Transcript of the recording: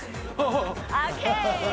ＯＫ。